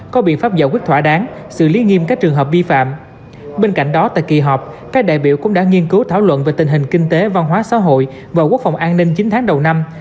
có biện pháp giải quyết thỏa đáng xử lý nghiêm các trường hợp vi phạm